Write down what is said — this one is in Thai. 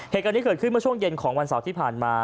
เหตุการณ์นี้เกิดขึ้นเมื่อช่วงเย็นของวันเสาร์ที่ผ่านมา